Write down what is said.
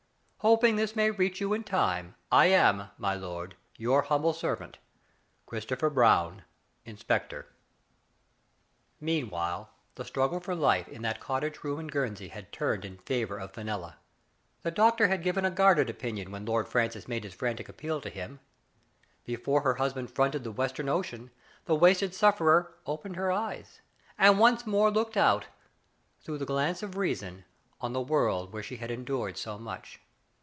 Hoping this may reach you in (inie, I am^ my lord, your humble servant, Christopher Prown, Inspector* Digitized by Google lyo THE FATE OF FENELLA, Meanwhile the struggle for life in that cottage room in Guernsey had turned in favor of Fenella. The doctor had given a guarded opinion when Lord Francis made his frantic appeal to him. Before her husband fronted the Western Ocean, the wasted sufferer opened her eyes, and once more looked out, through the glance of reason, on the world where she had endured so much.